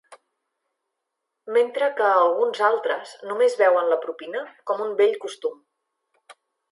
Mentre que alguns altres només veuen la propina com un vell costum.